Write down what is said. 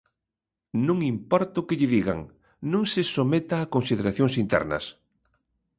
Non importa o que lle digan, non se someta a consideración internas.